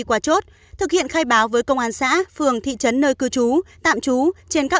qua chốt thực hiện khai báo với công an xã phường thị trấn nơi cư trú tạm trú trên các